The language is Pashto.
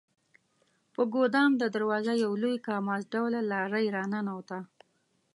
په ګدام د دروازه یو لوی کاماز ډوله لارۍ راننوته.